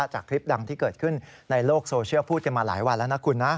จากคลิปดังที่เกิดขึ้นในโลกโซเชียลพูดกันมาหลายวันแล้วนะคุณนะ